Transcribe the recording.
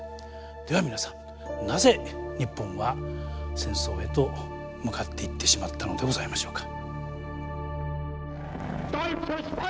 では皆さんなぜ日本は戦争へと向かっていってしまったのでございましょうか。